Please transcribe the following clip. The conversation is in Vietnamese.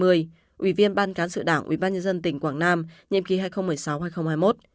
ủy viên ban cán sự đảng ủy ban nhân dân tỉnh quảng nam nhiệm ký hai nghìn một mươi sáu hai nghìn hai mươi một